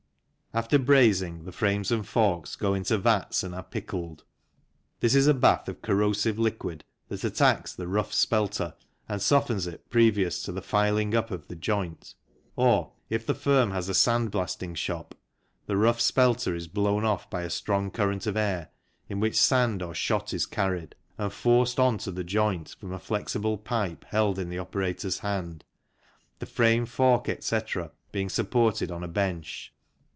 After brazing, the frames and forks go into vats and are pickled. This is a bath of corrosive liquid that attacks the rough spelter and softens it previous to the filing up of the joint, or, if the firm has a sand blasting shop, the rough spelter is blown off by a strong current of air, in which sand or shot is carried, and forced on to the joint from a flexible pipe held in the FROM STORES TO RAILWAY DRAY 37 operator's hand, the frame, fork, etc., being supported on a bench.